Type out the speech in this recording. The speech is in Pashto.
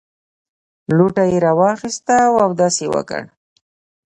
لوټه یې راواخیسته او اودس یې وکړ.